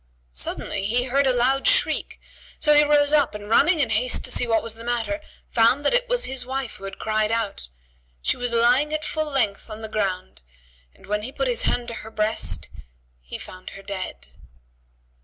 Suddenly he heard a loud shriek; so he rose up and running in haste to see what was the matter, found that it was his wife who had cried out. She was lying at full length on the ground and, when he put his hand to her breast, he found her dead.